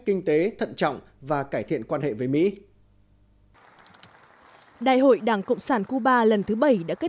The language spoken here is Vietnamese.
kinh tế thận trọng và cải thiện quan hệ với mỹ đại hội đảng cộng sản cuba lần thứ bảy đã kết